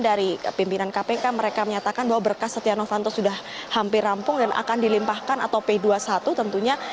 dari pimpinan kpk mereka menyatakan bahwa berkas setia novanto sudah hampir rampung dan akan dilimpahkan atau p dua puluh satu tentunya